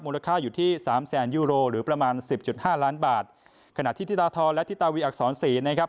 ค่าอยู่ที่สามแสนยูโรหรือประมาณสิบจุดห้าล้านบาทขณะที่ธิตาธรและธิตาวีอักษรศรีนะครับ